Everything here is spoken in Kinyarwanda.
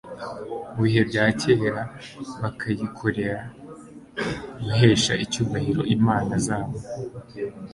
mu bihe bya kera bakayikorera guhesha icyubahiro imana zabo